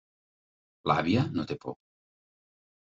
L'àvia no té por.